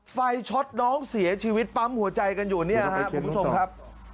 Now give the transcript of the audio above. ไฟช็อตน้องเสียชีวิตปั๊มหัวใจกันอยู่เนี่ยครับคุณผู้ชมครับ